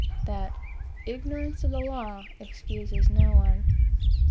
that "ignorance of the law excuses no one."